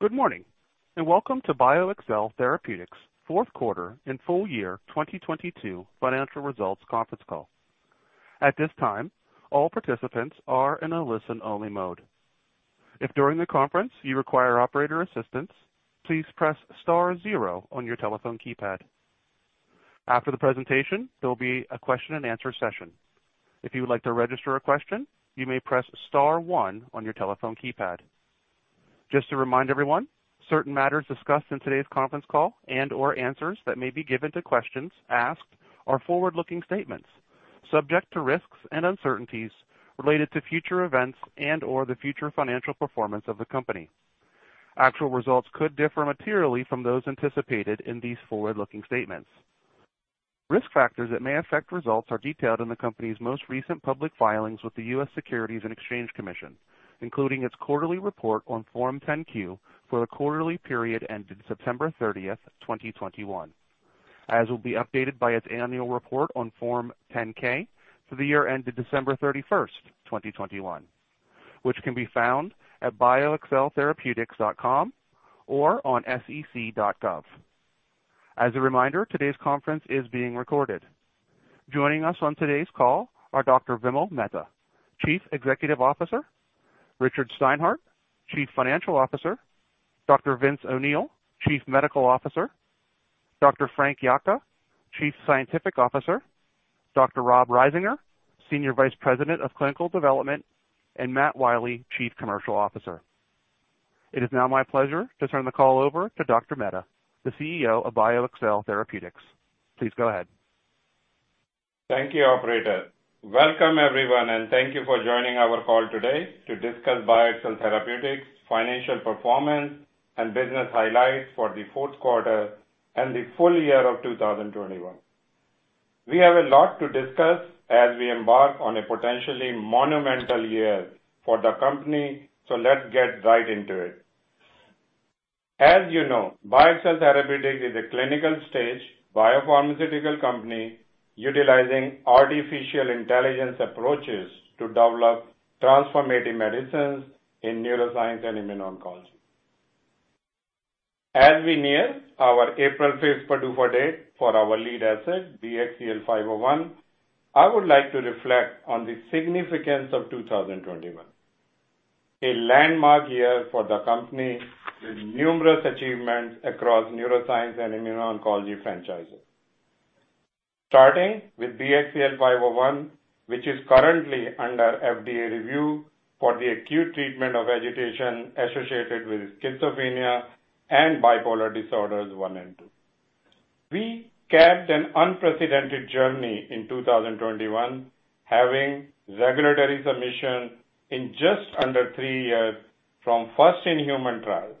Good morning, and welcome to BioXcel Therapeutics' fourth quarter and full-year 2022 financial results conference call. At this time, all participants are in a listen-only mode. If during the conference you require operator assistance, please press star zero on your telephone keypad. After the presentation, there will be a question-and-answer session. If you would like to register a question, you may press star one on your telephone keypad. Just to remind everyone, certain matters discussed in today's conference call and/or answers that may be given to questions asked are forward-looking statements subject to risks and uncertainties related to future events and/or the future financial performance of the company. Actual results could differ materially from those anticipated in these forward-looking statements. Risk factors that may affect results are detailed in the company's most recent public filings with the U.S. Securities and Exchange Commission, including its quarterly report on Form 10-Q for the quarterly period ended September 30, 2021, as will be updated by its annual report on Form 10-K for the year ended December 31, 2021, which can be found at bioxceltherapeutics.com or on sec.gov. As a reminder, today's conference is being recorded. Joining us on today's call are Dr. Vimal Mehta, Chief Executive Officer, Richard Steinhart, Chief Financial Officer, Dr. Vince O'Neill, Chief Medical Officer, Dr. Frank Yocca, Chief Scientific Officer, Dr. RobRisinger, Senior Vice President of Clinical Development, and Matt Wiley, Chief Commercial Officer. It is now my pleasure to turn the call over to Dr. Mehta, the CEO of BioXcel Therapeutics. Please go ahead. Thank you, operator. Welcome, everyone, and thank you for joining our call today to discuss BioXcel Therapeutics' financial performance and business highlights for the fourth quarter and the full year of 2021. We have a lot to discuss as we embark on a potentially monumental year for the company, so let's get right into it. As you know, BioXcel Therapeutics is a clinical stage biopharmaceutical company utilizing artificial intelligence approaches to develop transformative medicines in neuroscience and immuno-oncology. As we near our April 5 PDUFA date for our lead asset, BXCL501, I would like to reflect on the significance of 2021, a landmark year for the company with numerous achievements across neuroscience and immuno-oncology franchises. Starting with BXCL501, which is currently under FDA review for the acute treatment of agitation associated with schizophrenia and bipolar disorders one and two. We capped an unprecedented journey in 2021, having regulatory submission in just under three years from first in-human trials.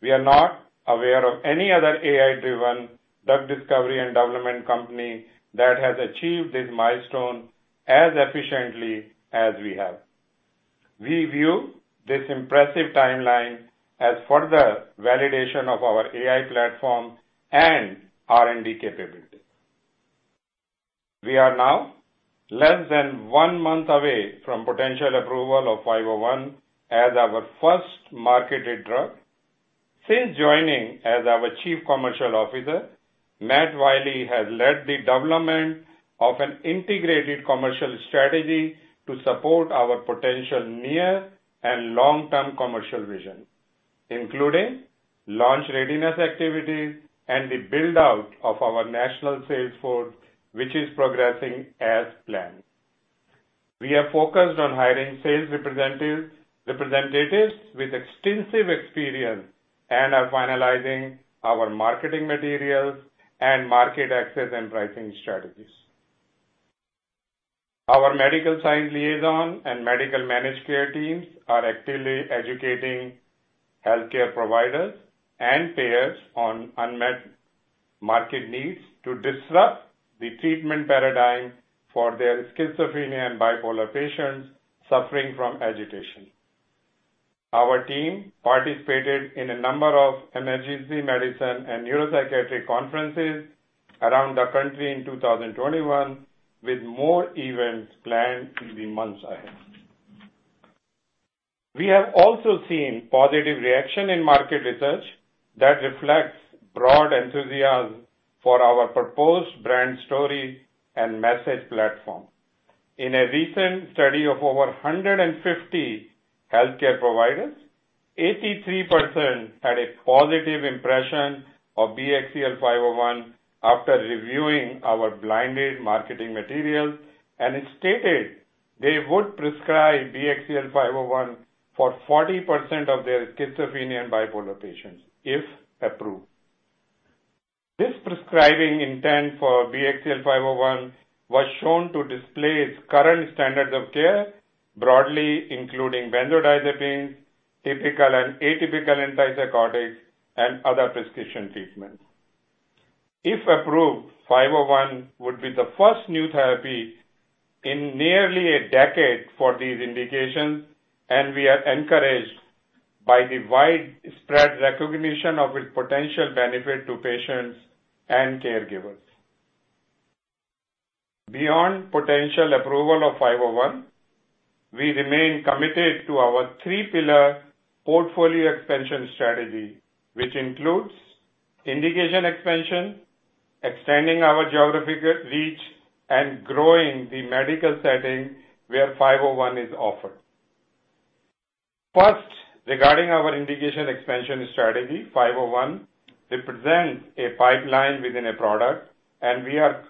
We are not aware of any other AI-driven drug discovery and development company that has achieved this milestone as efficiently as we have. We view this impressive timeline as further validation of our AI platform and R&D capability. We are now less than one month away from potential approval of 501 as our first marketed drug. Since joining as our Chief Commercial Officer, Matt Wiley has led the development of an integrated commercial strategy to support our potential near and long-term commercial vision, including launch readiness activities and the build-out of our national sales force, which is progressing as planned. We are focused on hiring sales representatives with extensive experience and are finalizing our marketing materials and market access and pricing strategies. Our medical science liaison and medical managed care teams are actively educating healthcare providers and payers on unmet market needs to disrupt the treatment paradigm for their schizophrenia and bipolar patients suffering from agitation. Our team participated in a number of emergency medicine and neuropsychiatric conferences around the country in 2021, with more events planned in the months ahead. We have also seen positive reaction in market research that reflects broad enthusiasm for our proposed brand story and message platform. In a recent study of over 150 healthcare providers, 83% had a positive impression of BXCL501 after reviewing our blinded marketing materials, and 83% stated they would prescribe BXCL501 for 40% of their schizophrenia and bipolar patients if approved. This prescribing intent for BXCL501 was shown to displace current standards of care, broadly including benzodiazepines, typical and atypical antipsychotics, and other prescription treatments. If approved, 501 would be the first new therapy in nearly a decade for these indications, and we are encouraged by the widespread recognition of its potential benefit to patients and caregivers. Beyond potential approval of 501, we remain committed to our three pillar portfolio expansion strategy, which includes indication expansion, extending our geographic reach, and growing the medical setting where 501 is offered. First, regarding our indication expansion strategy, 501 represents a pipeline within a product, and we are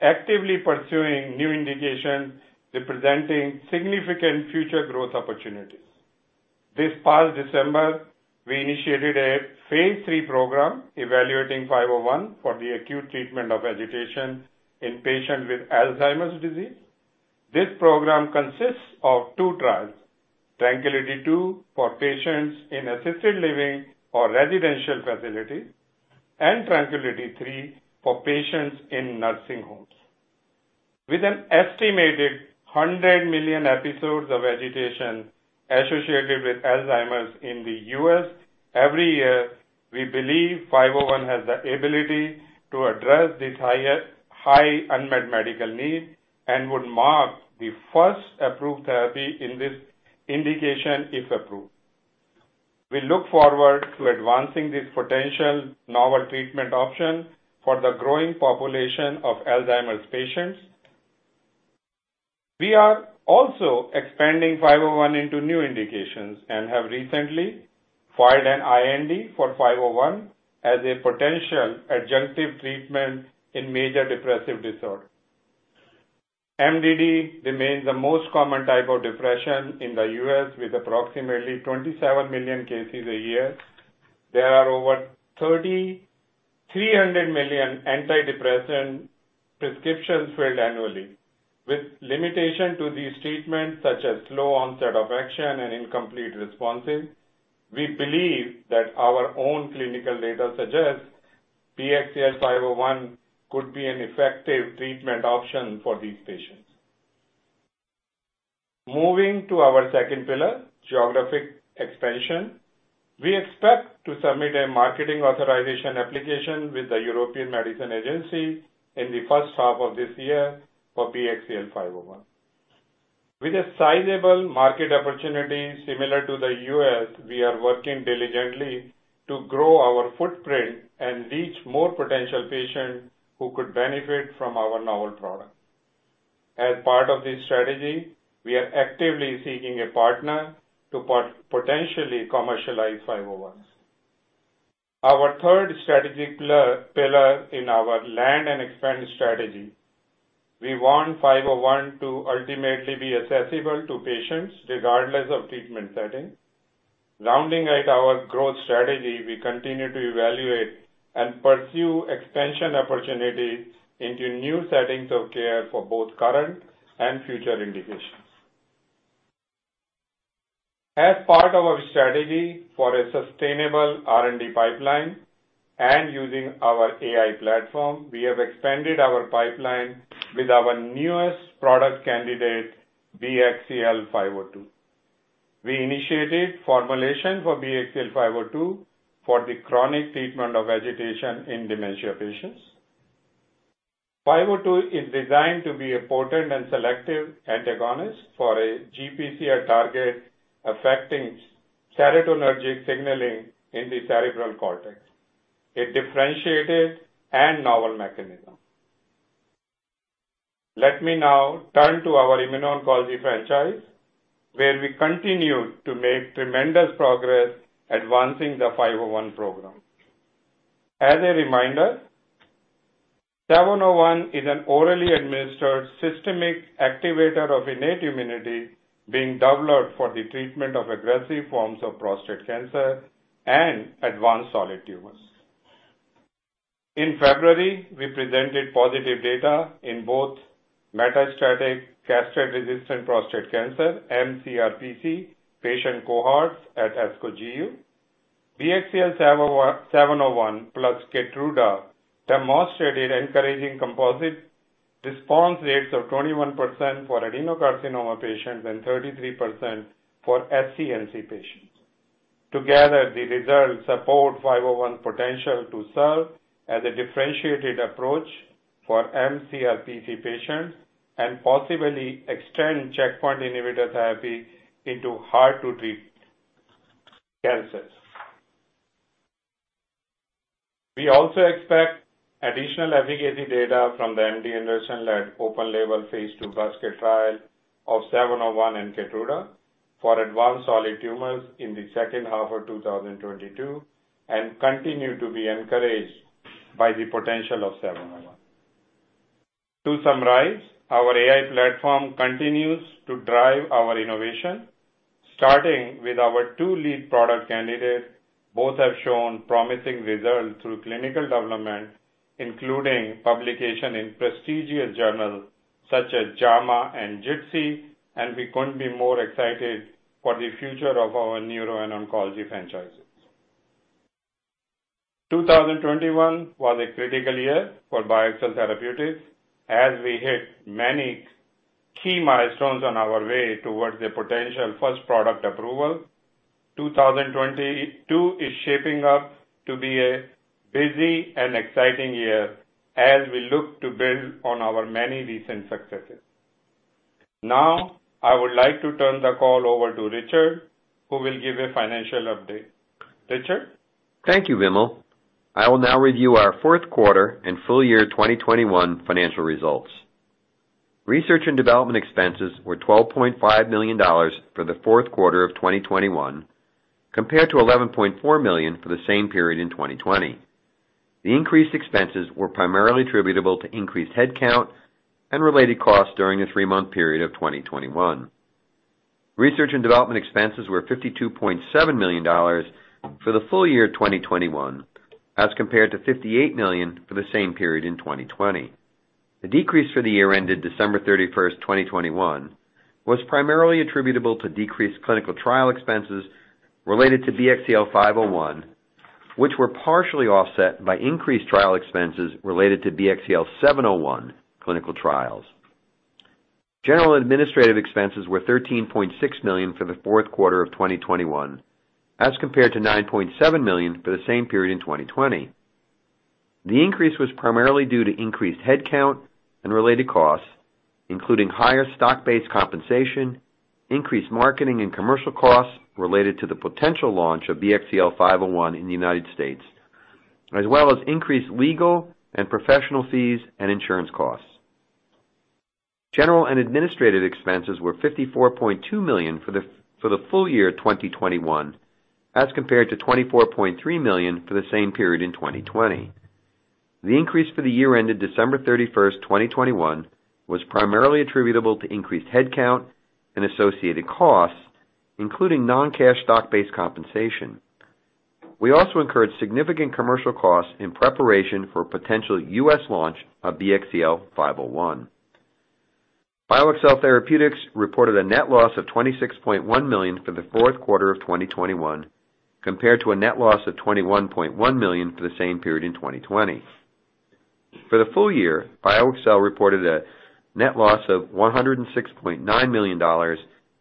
actively pursuing new indications representing significant future growth opportunities. This past December, we initiated a phase III program evaluating 501 for the acute treatment of agitation in patients with Alzheimer's disease. This program consists of two trials, TRANQUILITY II for patients in assisted living or residential facilities, and TRANQUILITY III for patients in nursing homes. With an estimated 100 million episodes of agitation associated with Alzheimer's in the U.S. every year, we believe BXCL501 has the ability to address this high unmet medical need and would mark the first approved therapy in this indication if approved. We look forward to advancing this potential novel treatment option for the growing population of Alzheimer's patients. We are also expanding BXCL501 into new indications and have recently filed an IND for BXCL501 as a potential adjunctive treatment in major depressive disorder. MDD remains the most common type of depression in the U.S., with approximately 27 million cases a year. There are over 3,300 million antidepressant prescriptions filled annually. With limitation to these treatments, such as slow onset of action and incomplete responses, we believe that our own clinical data suggests BXCL501 could be an effective treatment option for these patients. Moving to our second pillar, geographic expansion. We expect to submit a Marketing Authorization Application with the European Medicines Agency in the first half of this year for BXCL501. With a sizable market opportunity similar to the U.S., we are working diligently to grow our footprint and reach more potential patients who could benefit from our novel product. As part of this strategy, we are actively seeking a partner to potentially commercialize 501. Our third strategic pillar in our land and expand strategy, we want 501 to ultimately be accessible to patients regardless of treatment setting. Rounding out our growth strategy, we continue to evaluate and pursue expansion opportunities into new settings of care for both current and future indications. As part of our strategy for a sustainable R&D pipeline and using our AI platform, we have expanded our pipeline with our newest product candidate, BXCL502. We initiated formulation for BXCL502 for the chronic treatment of agitation in dementia patients. Five oh two is designed to be a potent and selective antagonist for a GPCR target affecting serotonergic signaling in the cerebral cortex, a differentiated and novel mechanism. Let me now turn to our immuno-oncology franchise, where we continue to make tremendous progress advancing the five oh one program. As a reminder, seven oh one is an orally administered systemic activator of innate immunity being developed for the treatment of aggressive forms of prostate cancer and advanced solid tumors. In February, we presented positive data in both metastatic castration-resistant prostate cancer, mCRPC, patient cohorts at ASCO GU. BXCL701 plus KEYTRUDA demonstrated encouraging composite response rates of 21% for adenocarcinoma patients and 33% for SCNC patients. Together, the results support 501 potential to serve as a differentiated approach for mCRPC patients and possibly extend checkpoint inhibitor therapy into hard to treat cancers. We also expect additional efficacy data from the MD Anderson led open label phase II basket trial of 701 and KEYTRUDA for advanced solid tumors in the second half of 2022, and continue to be encouraged by the potential of 701. To summarize, our AI platform continues to drive our innovation, starting with our two lead product candidates. Both have shown promising results through clinical development, including publication in prestigious journals such as JAMA and JCO, and we couldn't be more excited for the future of our neuro and oncology franchises. 2021 was a critical year for BioXcel Therapeutics as we hit many key milestones on our way towards the potential first product approval. 2022 is shaping up to be a busy and exciting year as we look to build on our many recent successes. Now, I would like to turn the call over to Richard, who will give a financial update. Richard? Thank you, Vimal. I will now review our fourth quarter and full year 2021 financial results. Research and development expenses were $12.5 million for the fourth quarter of 2021, compared to $11.4 million for the same period in 2020. The increased expenses were primarily attributable to increased headcount and related costs during the three-month period of 2021. Research and development expenses were $52.7 million for the full-year 2021, as compared to $58 million for the same period in 2020. The decrease for the year ended December 31, 2021 was primarily attributable to decreased clinical trial expenses related to BXCL501, which were partially offset by increased trial expenses related to BXCL701 clinical trials. General administrative expenses were $13.6 million for the fourth quarter of 2021, as compared to $9.7 million for the same period in 2020. The increase was primarily due to increased headcount and related costs, including higher stock-based compensation, increased marketing and commercial costs related to the potential launch of BXCL501 in the United States, as well as increased legal and professional fees and insurance costs. General and administrative expenses were $54.2 million for the full-year 2021, as compared to $24.3 million for the same period in 2020. The increase for the year ended December 31, 2021 was primarily attributable to increased headcount and associated costs, including non-cash stock-based compensation. We also incurred significant commercial costs in preparation for potential U.S. launch of BXCL501. BioXcel Therapeutics reported a net loss of $26.1 million for the fourth quarter of 2021, compared to a net loss of $21.1 million for the same period in 2020. For the full year, BioXcel reported a net loss of $106.9 million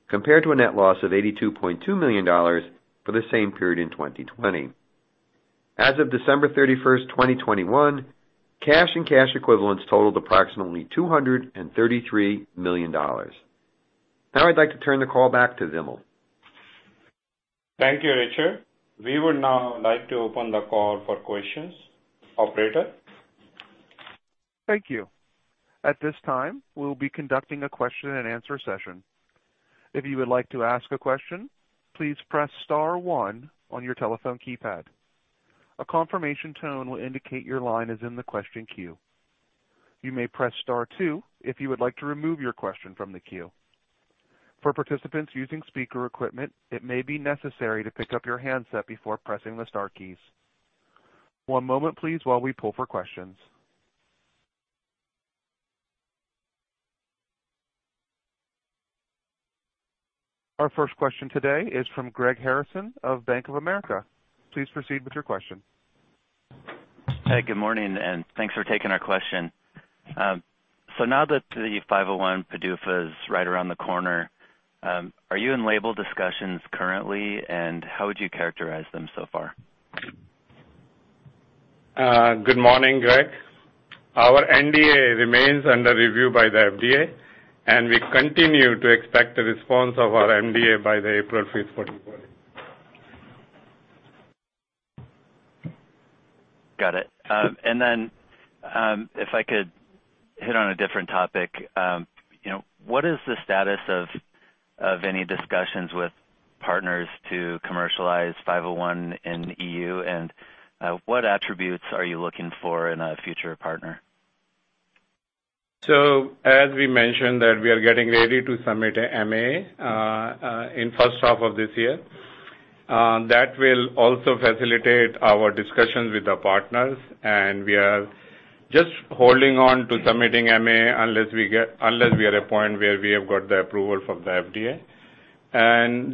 compared to a net loss of $82.2 million for the same period in 2020. As of December 31, 2021, cash and cash equivalents totaled approximately $233 million. Now I'd like to turn the call back to Vimal. Thank you, Richard. We would now like to open the call for questions. Operator? Thank you. At this time, we will be conducting a question and answer session. If you would like to ask a question, please press star one on your telephone keypad. A confirmation tone will indicate your line is in the question queue. You may press star two if you would like to remove your question from the queue. For participants using speaker equipment, it may be necessary to pick up your handset before pressing the star keys. One moment please while we pull for questions. Our first question today is from Greg Harrison of Bank of America. Please proceed with your question. Hey, good morning, and thanks for taking our question. Now that the 501 PDUFA is right around the corner, are you in label discussions currently, and how would you characterize them so far? Good morning, Greg. Our NDA remains under review by the FDA, and we continue to expect the response of our NDA by April 5, 2020. Got it. Then, if I could hit on a different topic, you know, what is the status of any discussions with partners to commercialize 501 in EU, and what attributes are you looking for in a future partner? As we mentioned that we are getting ready to submit a MAA in first half of this year. That will also facilitate our discussions with the partners, and we are just holding on to submitting MAA unless we are at a point where we have got the approval from the FDA.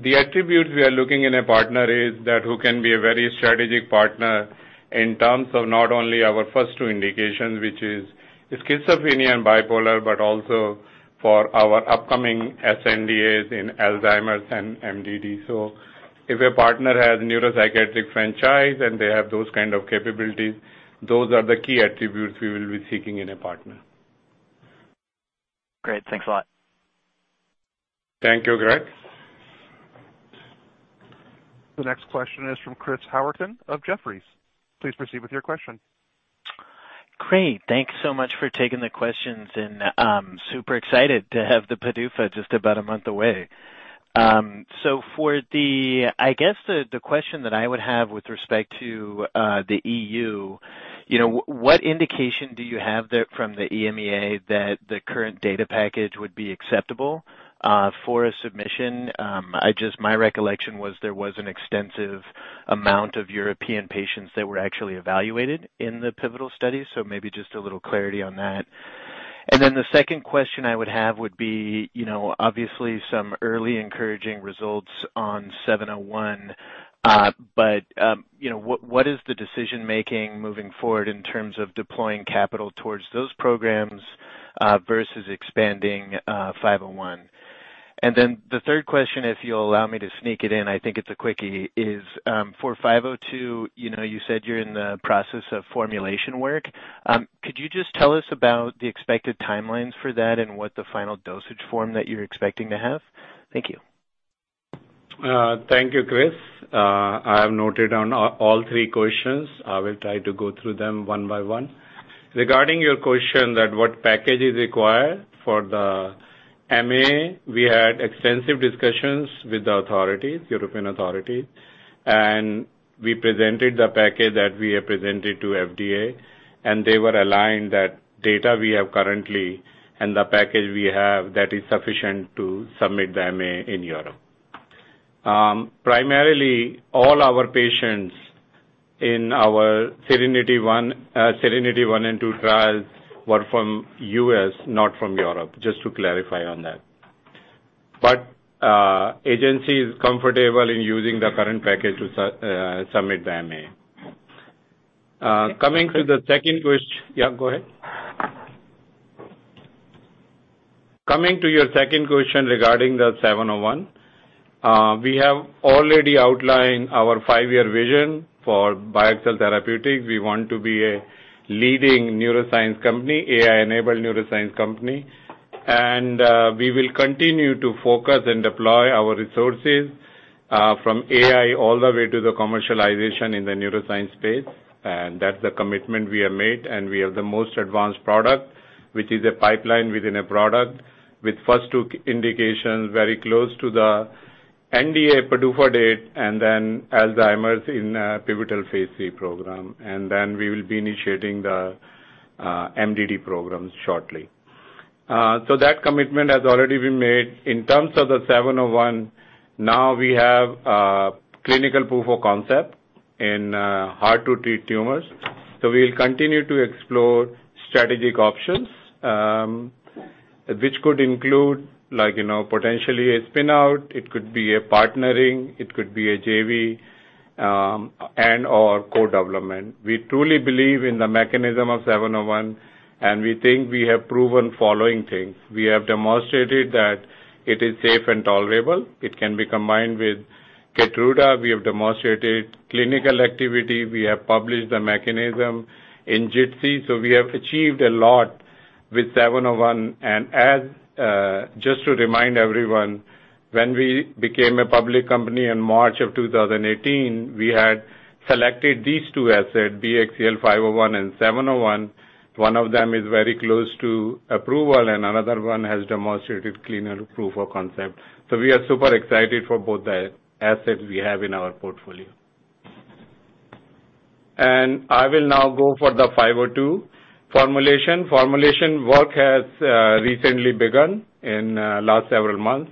The attributes we are looking in a partner is that who can be a very strategic partner in terms of not only our first two indications, which is schizophrenia and bipolar, but also for our upcoming sNDAs in Alzheimer's and MDD. If a partner has neuropsychiatric franchise and they have those kind of capabilities, those are the key attributes we will be seeking in a partner. Great. Thanks a lot. Thank you, Greg. The next question is from Chris Howerton of Jefferies. Please proceed with your question. Great. Thank you so much for taking the questions and, super excited to have the PDUFA just about a month away. I guess the question that I would have with respect to the EU, you know, what indication do you have there from the EMEA that the current data package would be acceptable for a submission? My recollection was there was an extensive amount of European patients that were actually evaluated in the pivotal study, so maybe just a little clarity on that. Then the second question I would have would be, you know, obviously some early encouraging results on 701. But you know, what is the decision-making moving forward in terms of deploying capital towards those programs versus expanding 501? The third question, if you'll allow me to sneak it in, I think it's a quickie, is, for 502, you know, you said you're in the process of formulation work. Could you just tell us about the expected timelines for that and what the final dosage form that you're expecting to have? Thank you. Thank you, Chris. I have noted all three questions. I will try to go through them one by one. Regarding your question that what package is required for the MA, we had extensive discussions with the authorities, European authorities. We presented the package that we have presented to FDA, and they were aligned that data we have currently and the package we have, that is sufficient to submit the MA in Europe. Primarily all our patients in our SERENITY I and II trials were from U.S., not from Europe, just to clarify on that. Agency is comfortable in using the current package to submit the MA. Coming to the second quest- Yeah, go ahead. Coming to your second question regarding the 701. We have already outlined our five-year vision for BioXcel Therapeutics. We want to be a leading neuroscience company, AI-enabled neuroscience company. We will continue to focus and deploy our resources from AI all the way to the commercialization in the neuroscience space. That's the commitment we have made, and we have the most advanced product, which is a pipeline within a product with first two indications very close to the NDA PDUFA date, and then Alzheimer's in a pivotal phase III program. We will be initiating the MDD programs shortly. That commitment has already been made. In terms of the 701, now we have clinical proof of concept in hard-to-treat tumors. We'll continue to explore strategic options, which could include, like, you know, potentially a spin-out, it could be a partnering, it could be a JV, and/or co-development. We truly believe in the mechanism of BXCL701, and we think we have proven following things. We have demonstrated that it is safe and tolerable. It can be combined with KEYTRUDA. We have demonstrated clinical activity. We have published the mechanism in JITC. We have achieved a lot with BXCL701. As just to remind everyone, when we became a public company in March 2018, we had selected these two assets, BXCL501 and BXCL701. One of them is very close to approval, and another one has demonstrated cleaner proof of concept. We are super excited for both the assets we have in our portfolio. I will now go for the BXCL502 formulation. Formulation work has recently begun in last several months.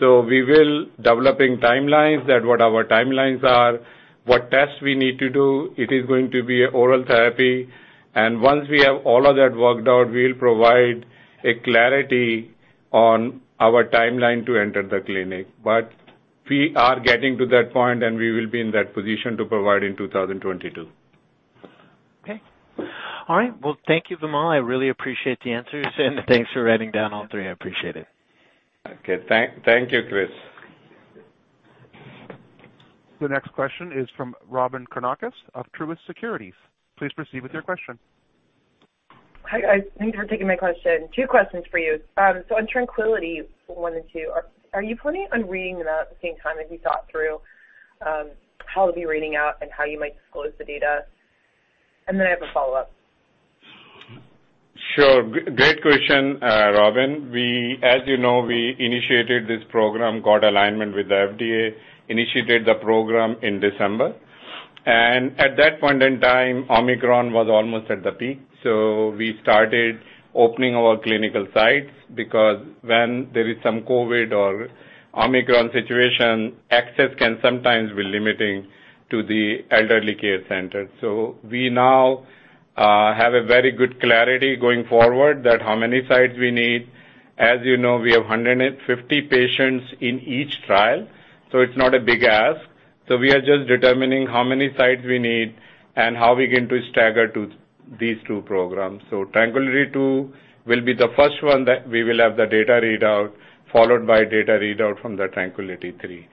We will be developing timelines, what our timelines are, what tests we need to do. It is going to be oral therapy. Once we have all of that worked out, we'll provide clarity on our timeline to enter the clinic. We are getting to that point, and we will be in that position to provide in 2022. Okay. All right. Well, thank you, Vimal. I really appreciate the answers and thanks for writing down all three. I appreciate it. Okay. Thank you, Chris. The next question is from Robyn Karnauskas of Truist Securities. Please proceed with your question. Hi, guys. Thanks for taking my question. Two questions for you. On TRANQUILITY I and II, are you planning on reading them out at the same time as you thought through how to be reading out and how you might disclose the data? I have a follow-up. Great question, Robyn. As you know, we initiated this program, got alignment with the FDA, initiated the program in December. At that point in time, Omicron was almost at the peak. We started opening our clinical sites because when there is some COVID or Omicron situation, access can sometimes be limiting to the elderly care center. We now have a very good clarity going forward as to how many sites we need. As you know, we have 150 patients in each trial, so it's not a big ask. We are just determining how many sites we need and how we're going to stagger these two programs. Tranquility II will be the first one that we will have the data readout, followed by data readout from the Tranquility III.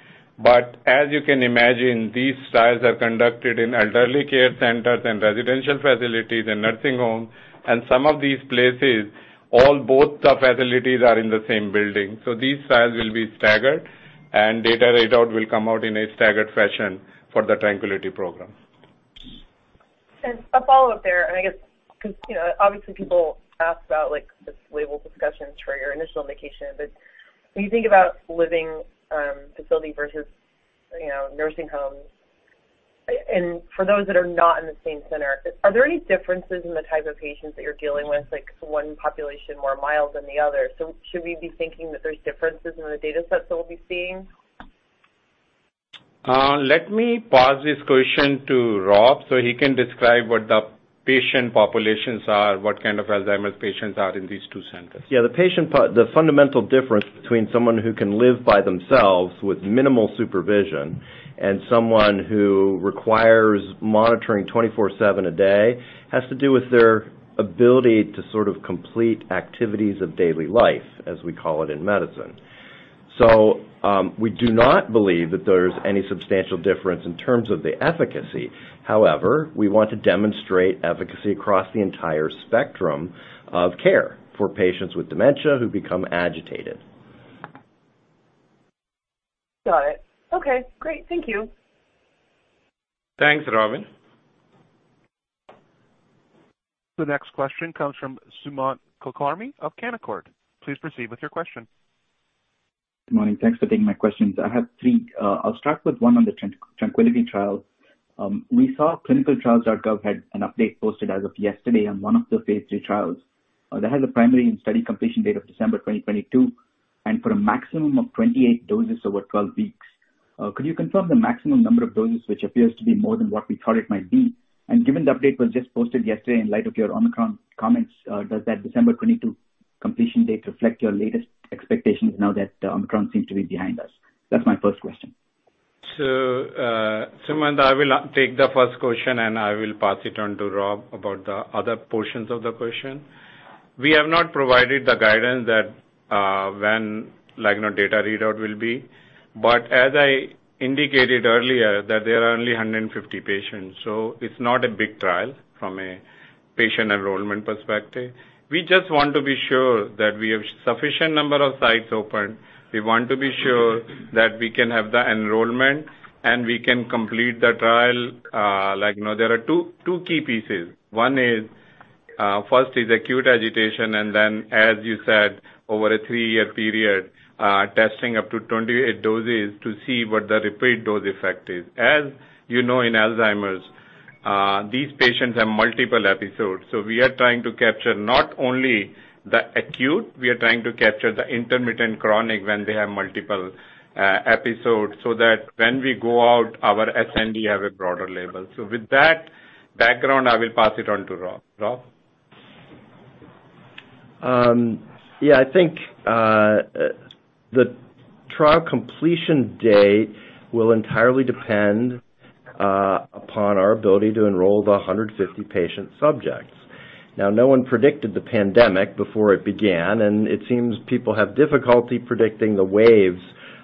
As you can imagine, these trials are conducted in elderly care centers and residential facilities and nursing homes, and some of these places, both the facilities are in the same building. These trials will be staggered, and data readout will come out in a staggered fashion for the Tranquility program. A follow-up there, and I guess because, you know, obviously people ask about, like, this label discussions for your initial indication. When you think about living facility versus, you know, nursing homes, and for those that are not in the same center, are there any differences in the type of patients that you're dealing with, like is one population more mild than the other? Should we be thinking that there's differences in the data sets that we'll be seeing? Let me pass this question to Rob so he can describe what the patient populations are, what kind of Alzheimer's patients are in these two centers. Yeah. The fundamental difference between someone who can live by themselves with minimal supervision and someone who requires monitoring 24/7 a day has to do with their ability to sort of complete activities of daily life, as we call it in medicine. We do not believe that there's any substantial difference in terms of the efficacy. However, we want to demonstrate efficacy across the entire spectrum of care for patients with dementia who become agitated. Got it. Okay, great. Thank you. Thanks, Robyn. The next question comes from Sumant Kulkarni of Canaccord. Please proceed with your question. Good morning. Thanks for taking my questions. I have three. I'll start with one on the Tranquility trial. We saw clinicaltrials.gov had an update posted as of yesterday on one of the phase III trials that had a primary and study completion date of December 2022 and for a maximum of 28 doses over 12 weeks. Could you confirm the maximum number of doses, which appears to be more than what we thought it might be? And given the update was just posted yesterday in light of your Omicron comments, does that December 2022 completion date reflect your latest expectations now that Omicron seems to be behind us? That's my first question. Sumant, I will take the first question, and I will pass it on to Rob about the other portions of the question. We have not provided the guidance that, when like, you know, data readout will be. As I indicated earlier that there are only 150 patients, so it's not a big trial from a patient enrollment perspective. We just want to be sure that we have sufficient number of sites open. We want to be sure that we can have the enrollment, and we can complete the trial. Like, you know, there are two key pieces. One is, first is acute agitation and then as you said, over a three-year period, testing up to 28 doses to see what the repeat dose effect is. As you know in Alzheimer's, these patients have multiple episodes, so we are trying to capture not only the acute, we are trying to capture the intermittent chronic when they have multiple episodes so that when we go out our sNDA have a broader label. With that background, I will pass it on to Rob. Yeah, I think the trial completion date will entirely depend upon our ability to enroll the 150 patient subjects. Now, no one predicted the pandemic before it began, and it seems people have difficulty predicting the waves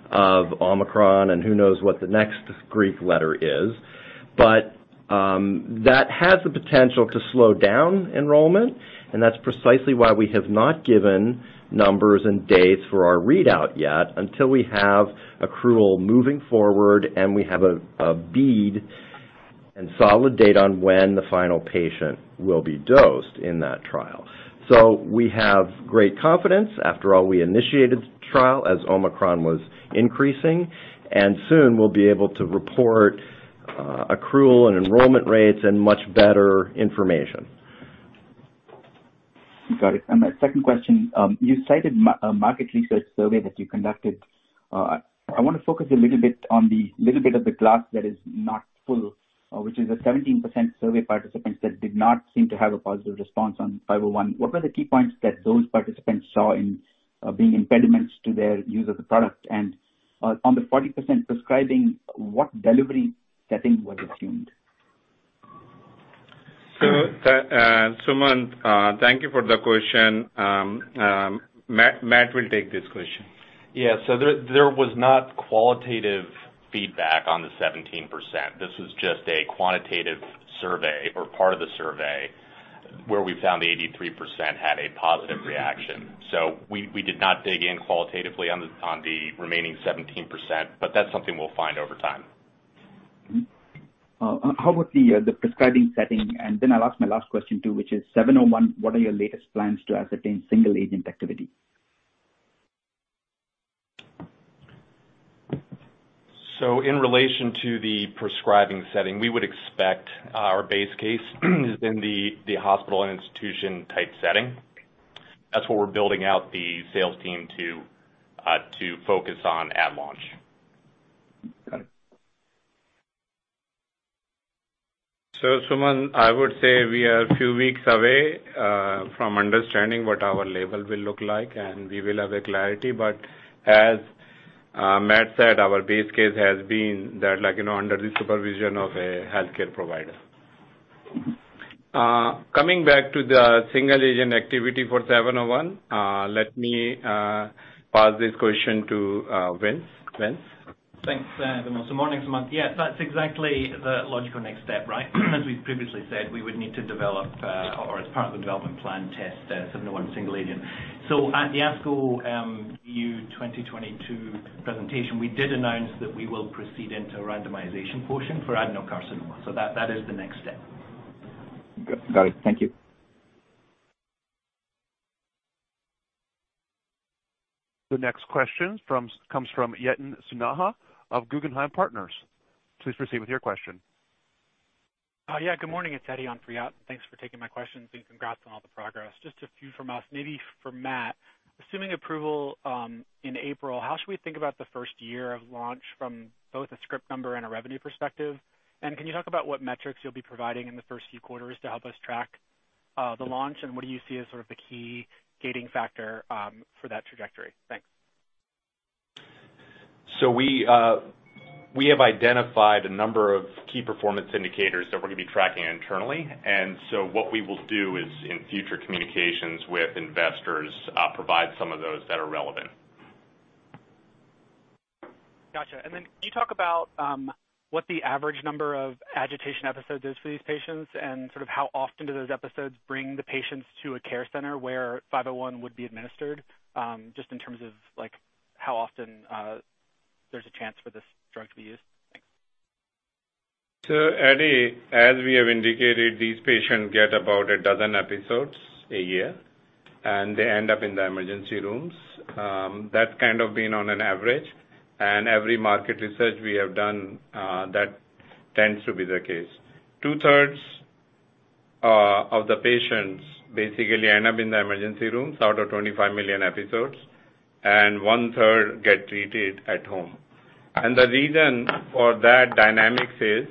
of Omicron and who knows what the next Greek letter is. That has the potential to slow down enrollment, and that's precisely why we have not given numbers and dates for our readout yet until we have accrual moving forward, and we have a better and solid date on when the final patient will be dosed in that trial. We have great confidence. After all, we initiated the trial as Omicron was increasing, and soon we'll be able to report accrual and enrollment rates and much better information. Got it. My second question. You cited a market research survey that you conducted. I wanna focus a little bit on the little bit of the glass that is not full, which is the 17% survey participants that did not seem to have a positive response on 501. What were the key points that those participants saw in being impediments to their use of the product? On the 40% prescribing, what delivery setting was assumed? Sumant, thank you for the question. Matt will take this question. Yeah. There was not qualitative feedback on the 17%. This was just a quantitative survey or part of the survey where we found the 83% had a positive reaction. We did not dig in qualitatively on the remaining 17%, but that's something we'll find over time. How about the prescribing setting? Then I'll ask my last question, too, which is 701, what are your latest plans to ascertain single agent activity? In relation to the prescribing setting, we would expect our base case is in the hospital and institution type setting. That's what we're building out the sales team to focus on at launch. Got it. Sumant, I would say we are a few weeks away from understanding what our label will look like, and we will have a clarity. As Matt said, our base case has been that like, you know, under the supervision of a healthcare provider. Coming back to the single agent activity for 701, let me pass this question to Vince. Vince? Thanks, Vimal. Morning, Sumant. Yeah, that's exactly the logical next step, right? As we've previously said, we would need to develop or as part of the development plan test 701 single agent. At the ASCO GU 2022 presentation, we did announce that we will proceed into a randomization portion for adenocarcinoma. That is the next step. Got it. Thank you. The next question comes from Yatin Suneja of Guggenheim Partners. Please proceed with your question. Yeah, good morning. It's Eddie on for Yat. Thanks for taking my questions, and congrats on all the progress. Just a few from us, maybe for Matt. Assuming approval in April, how should we think about the first year of launch from both a script number and a revenue perspective? And can you talk about what metrics you'll be providing in the first few quarters to help us track the launch? And what do you see as sort of the key gating factor for that trajectory? Thanks. We have identified a number of key performance indicators that we're gonna be tracking internally. What we will do is in future communications with investors, provide some of those that are relevant. Gotcha. Can you talk about what the average number of agitation episodes is for these patients, and sort of how often do those episodes bring the patients to a care center where 501 would be administered, just in terms of, like, how often there's a chance for this drug to be used? Thanks. Eddie, as we have indicated, these patients get about 12 episodes a year, and they end up in the emergency rooms. That's kind of been on average. Every market research we have done that tends to be the case. Two-thirds of the patients basically end up in the emergency rooms out of 25 million episodes, and 1/3 get treated at home. The reason for that dynamics is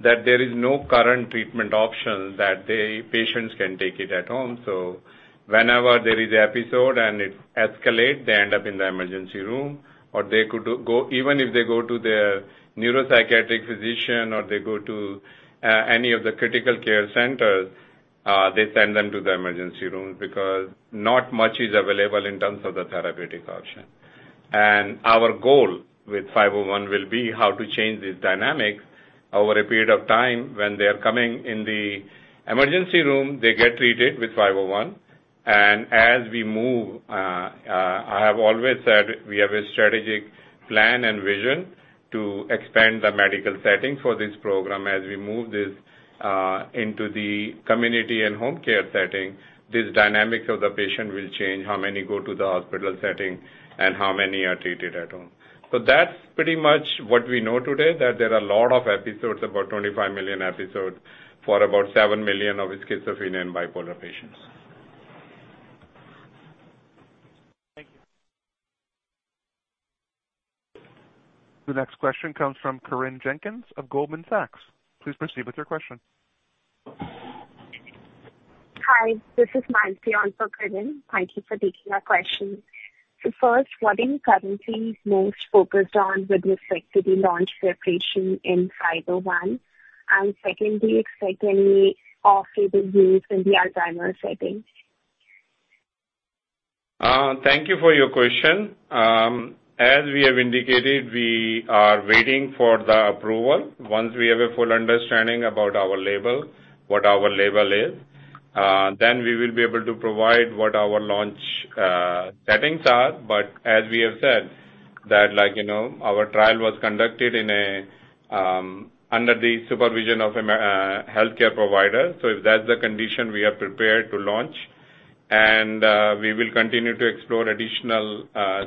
that there is no current treatment option that the patients can take it at home. Whenever there is an episode and it escalate, they end up in the emergency room, or even if they go to their neuropsychiatric physician or they go to any of the critical care centers, they send them to the emergency room because not much is available in terms of the therapeutic option. Our goal with BXCL501 will be how to change this dynamic over a period of time. When they are coming in the emergency room, they get treated with BXCL501. As we move, I have always said we have a strategic plan and vision to expand the medical setting for this program. As we move this into the community and home care setting, this dynamics of the patient will change, how many go to the hospital setting and how many are treated at home. That's pretty much what we know today, that there are a lot of episodes, about 25 million episodes for about seven million of the schizophrenia and bipolar patients. Thank you. The next question comes from Corinne Jenkins of Goldman Sachs. Please proceed with your question. Hi, this is Mansi on for Corinne Jenkins. Thank you for taking our question. First, what are you currently most focused on with respect to the launch preparation in 501? And secondly, do you expect any off-label use in the Alzheimer's setting? Thank you for your question. As we have indicated, we are waiting for the approval. Once we have a full understanding about our label, what our label is, then we will be able to provide what our launch settings are. But as we have said, that like, you know, our trial was conducted in a under the supervision of a healthcare provider. So if that's the condition, we are prepared to launch. We will continue to explore additional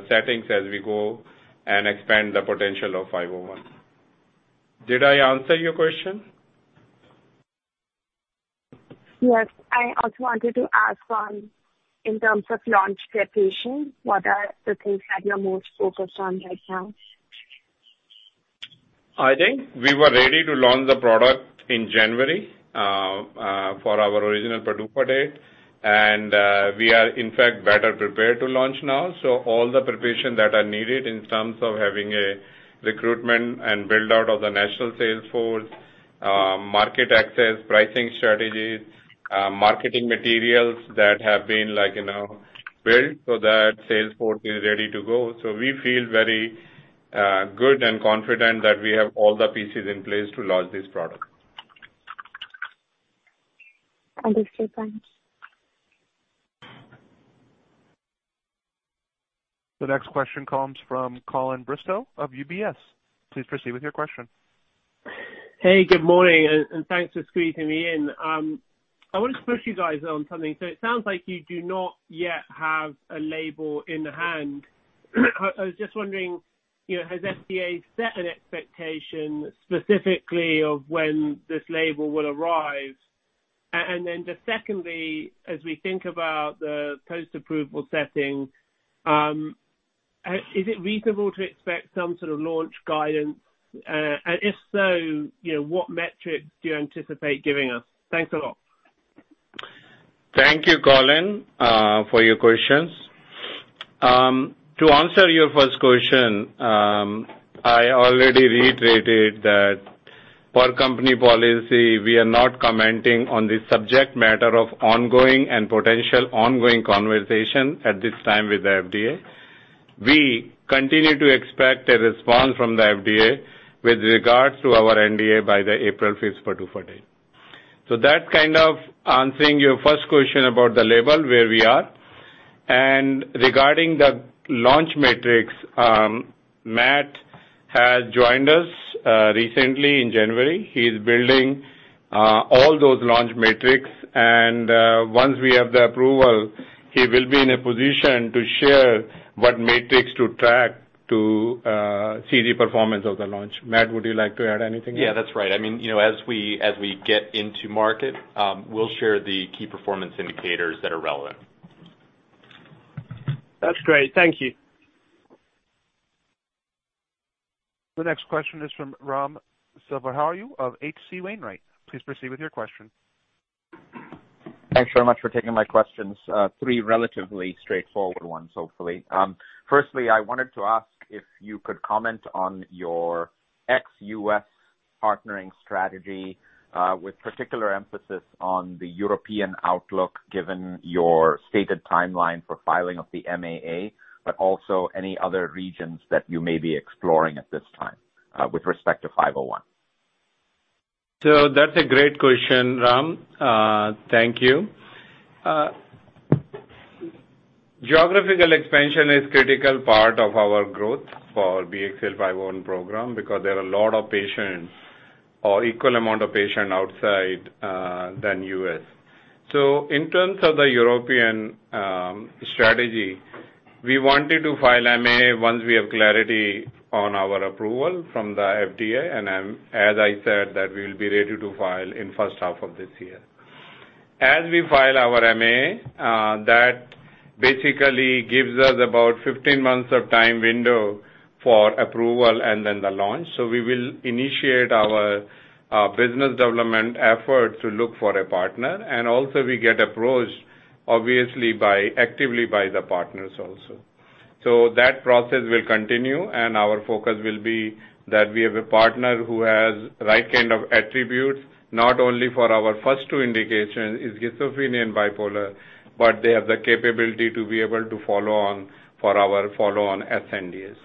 settings as we go and expand the potential of five oh one. Did I answer your question? Yes. I also wanted to ask on, in terms of launch preparation, what are the things that you're most focused on right now? I think we were ready to launch the product in January for our original PDUFA date, and we are in fact better prepared to launch now. All the preparation that are needed in terms of having a recruitment and build-out of the national sales force, market access, pricing strategies, marketing materials that have been like, you know, built so that sales force is ready to go. We feel very good and confident that we have all the pieces in place to launch this product. Understood. Thanks. The next question comes from Colin Bristow of UBS. Please proceed with your question. Hey, good morning, and thanks for squeezing me in. I want to push you guys on something. It sounds like you do not yet have a label in hand. I was just wondering, you know, has FDA set an expectation specifically of when this label will arrive? Just secondly, as we think about the post-approval setting, is it reasonable to expect some sort of launch guidance? If so, you know, what metrics do you anticipate giving us? Thanks a lot. Thank you, Colin, for your questions. To answer your first question, I already reiterated that per company policy, we are not commenting on the subject matter of ongoing and potential ongoing conversation at this time with the FDA. We continue to expect a response from the FDA with regards to our NDA by the April 5 PDUFA date. That's kind of answering your first question about the label, where we are. Regarding the launch metrics, Matt has joined us recently in January. He's building all those launch metrics. Once we have the approval, he will be in a position to share what metrics to track to see the performance of the launch. Matt, would you like to add anything? Yeah, that's right. I mean, you know, as we get into market, we'll share the key performance indicators that are relevant. That's great. Thank you. The next question is from Raghuram Selvaraju of HC Wainwright. Please proceed with your question. Thanks very much for taking my questions, three relatively straightforward ones, hopefully. Firstly, I wanted to ask if you could comment on your ex-U.S. partnering strategy, with particular emphasis on the European outlook, given your stated timeline for filing of the MAA, but also any other regions that you may be exploring at this time, with respect to five oh one. That's a great question, Ram. Thank you. Geographical expansion is critical part of our growth for BXCL501 program because there are a lot of patients or equal amount of patients outside than U.S. In terms of the European strategy, we wanted to file MA once we have clarity on our approval from the FDA. As I said, that we will be ready to file in first half of this year. As we file our MA, that basically gives us about 15 months of time window for approval and then the launch. We will initiate our business development effort to look for a partner. We also get approached obviously by actively by the partners also. That process will continue, and our focus will be that we have a partner who has right kind of attributes, not only for our first two indications is schizophrenia and bipolar, but they have the capability to be able to follow on for our follow-on sNDAs.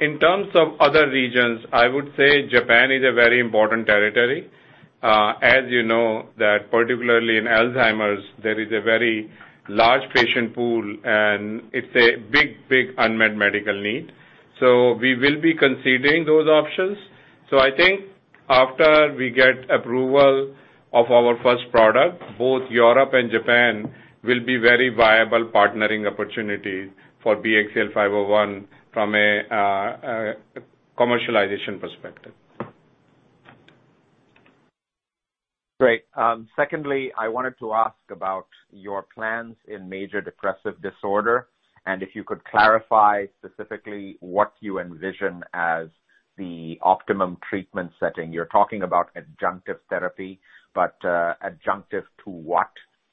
In terms of other regions, I would say Japan is a very important territory. As you know, that particularly in Alzheimer's, there is a very large patient pool, and it's a big, big unmet medical need. We will be considering those options. I think after we get approval of our first product, both Europe and Japan will be very viable partnering opportunities for BXCL501 from a commercialization perspective. Great. Secondly, I wanted to ask about your plans in major depressive disorder, and if you could clarify specifically what you envision as the optimum treatment setting. You're talking about adjunctive therapy, but, adjunctive to what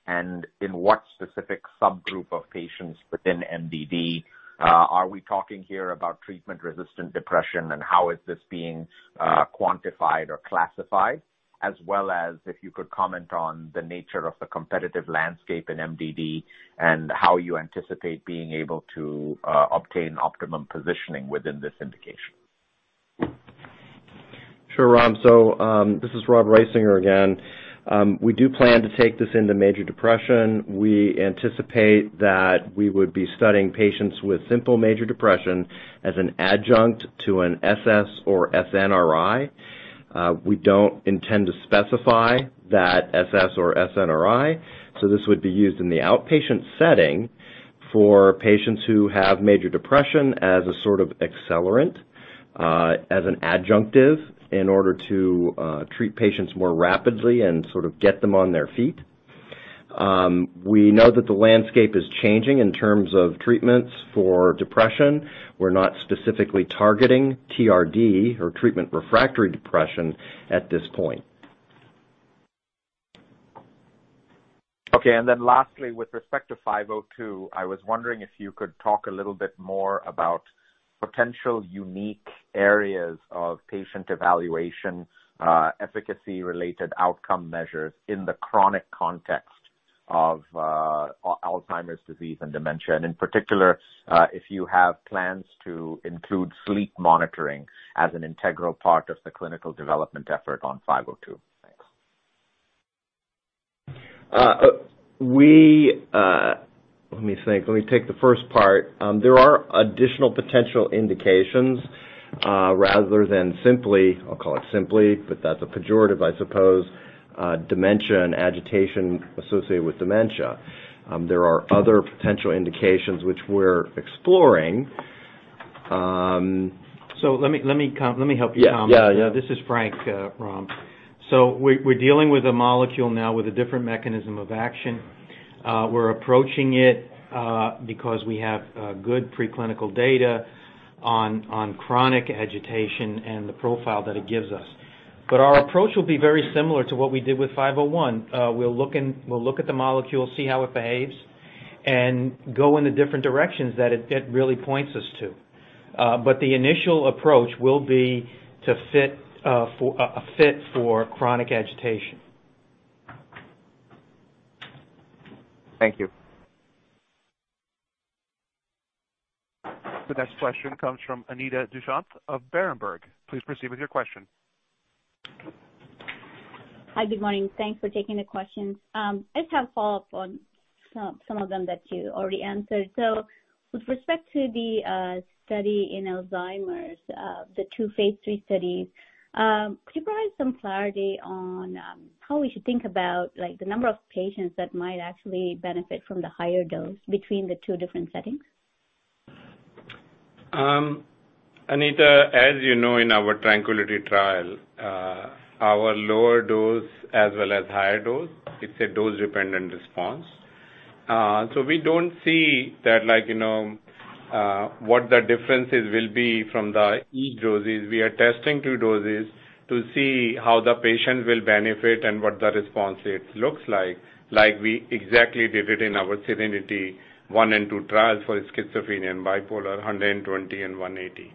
and in what specific subgroup of patients within MDD? Are we talking here about treatment-resistant depression, and how is this being, quantified or classified? As well as if you could comment on the nature of the competitive landscape in MDD and how you anticipate being able to, obtain optimum positioning within this indication. Sure, Ram. This is Rob Risinger again. We do plan to take this into major depression. We anticipate that we would be studying patients with simple major depression as an adjunct to an SSRI or SNRI. We don't intend to specify that SSRI or SNRI. This would be used in the outpatient setting for patients who have major depression as a sort of accelerant, as an adjunctive in order to treat patients more rapidly and sort of get them on their feet. We know that the landscape is changing in terms of treatments for depression. We're not specifically targeting TRD or treatment refractory depression at this point. Okay. Lastly, with respect to 502, I was wondering if you could talk a little bit more about potential unique areas of patient evaluation, efficacy-related outcome measures in the chronic context of Alzheimer's disease and dementia. In particular, if you have plans to include sleep monitoring as an integral part of the clinical development effort on 502. Thanks. Let me think. Let me take the first part. There are additional potential indications, rather than simply, I'll call it simply, but that's a pejorative, I suppose, dementia and agitation associated with dementia. There are other potential indications which we're exploring. Let me help you, Ram. Yeah. Yeah. This is Frank, Ram. We're dealing with a molecule now with a different mechanism of action. We're approaching it because we have good preclinical data on chronic agitation and the profile that it gives us. Our approach will be very similar to what we did with 501. We'll look at the molecule, see how it behaves, and go in the different directions that it really points us to. The initial approach will be to find a fit for chronic agitation. Thank you. The next question comes from Anita Dushyanth of Berenberg. Please proceed with your question. Hi. Good morning. Thanks for taking the questions. I just have a follow-up on some of them that you already answered. With respect to the study in Alzheimer's, the two phase III studies, could you provide some clarity on how we should think about like the number of patients that might actually benefit from the higher dose between the two different settings? Anita, as you know, in our Tranquility trial, our lower dose as well as higher dose, it's a dose-dependent response. We don't see that like, you know, what the differences will be from these doses. We are testing two doses to see how the patient will benefit and what the response rate looks like. Like we exactly did it in our SERENITY I and II trials for schizophrenia and bipolar, 120 and 180.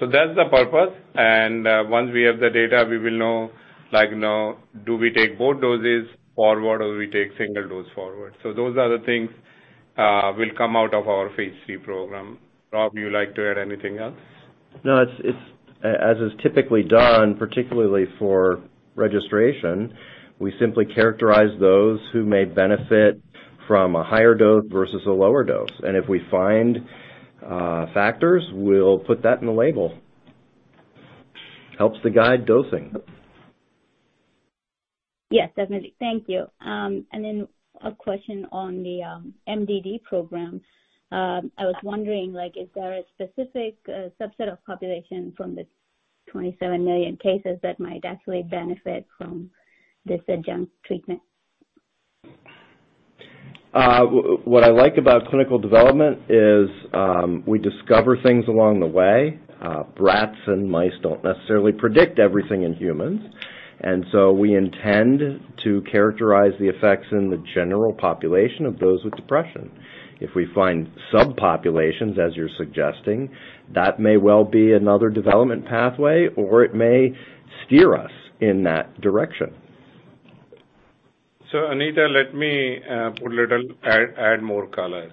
That's the purpose. Once we have the data, we will know, like now do we take both doses forward or we take single dose forward? Those are the things will come out of our phase III program. Rob, would you like to add anything else? No. It's as is typically done, particularly for registration, we simply characterize those who may benefit from a higher dose versus a lower dose. If we find factors, we'll put that in the label. Helps to guide dosing. Yes, definitely. Thank you. A question on the MDD program. I was wondering like, is there a specific subset of population from the 27 million cases that might actually benefit from this adjunct treatment? What I like about clinical development is, we discover things along the way. Rats and mice don't necessarily predict everything in humans, so we intend to characterize the effects in the general population of those with depression. If we find subpopulations, as you're suggesting, that may well be another development pathway, or it may steer us in that direction. Anita, let me add more color.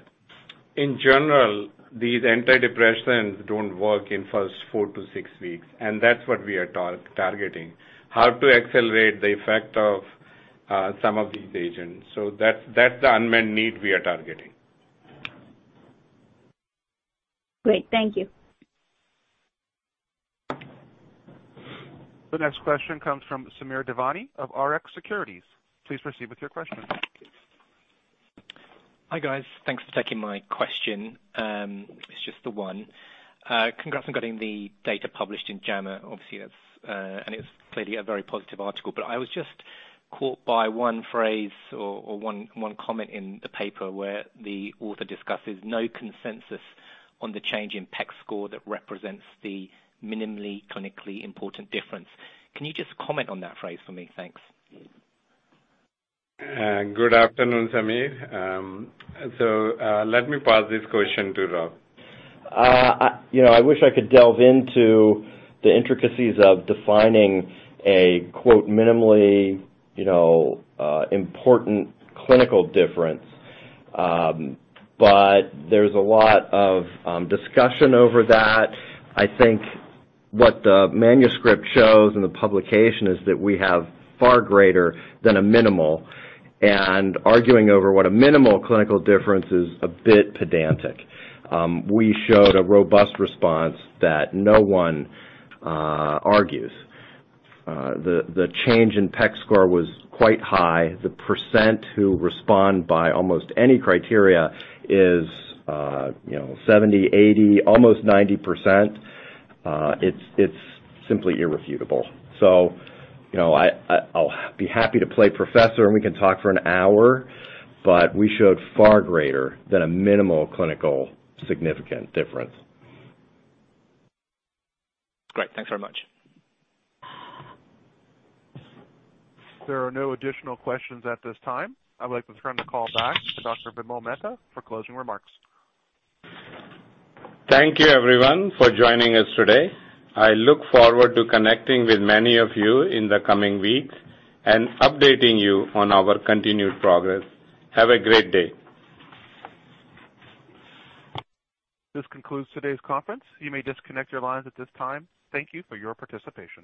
In general, these antidepressants don't work in the first four to six weeks, and that's what we are targeting, how to accelerate the effect of some of these agents. That's the unmet need we are targeting. Great. Thank you. The next question comes from Samir Devani of Rx Securities. Please proceed with your question. Hi, guys. Thanks for taking my question. It's just the one. Congrats on getting the data published in JAMA, obviously that's and it's clearly a very positive article, but I was just caught by one phrase or one comment in the paper where the author discusses no consensus on the change in PEC score that represents the minimally clinically important difference. Can you just comment on that phrase for me? Thanks. Good afternoon, Samir. Let me pass this question to Rob. You know, I wish I could delve into the intricacies of defining a minimally important clinical difference. There's a lot of discussion over that. I think what the manuscript shows in the publication is that we have far greater than a minimal clinical difference. Arguing over what a minimal clinical difference is a bit pedantic. We showed a robust response that no one argues. The change in PEC score was quite high. The percent who respond by almost any criteria is, you know, 70, 80, almost 90%. It's simply irrefutable. You know, I'll be happy to play professor, and we can talk for an hour, but we showed far greater than a minimal clinically significant difference. Great. Thanks very much. There are no additional questions at this time. I would like to turn the call back to Dr. Vimal Mehta for closing remarks. Thank you, everyone, for joining us today. I look forward to connecting with many of you in the coming weeks and updating you on our continued progress. Have a great day. This concludes today's conference. You may disconnect your lines at this time. Thank you for your participation.